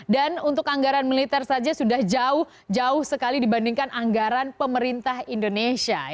dan untuk anggaran militer saja sudah jauh jauh sekali dibandingkan anggaran pemerintah indonesia